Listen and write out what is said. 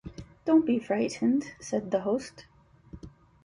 ‘Don’t be frightened,’ said the host.